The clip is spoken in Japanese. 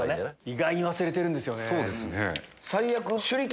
意外に忘れてるんですよね。